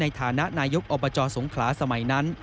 ในฐานะนายกอบจสงขลาสมัยนั้น